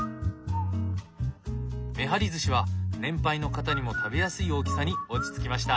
めはりずしは年配の方にも食べやすい大きさに落ち着きました。